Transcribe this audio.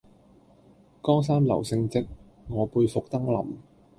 江山留勝跡，我輩復登臨。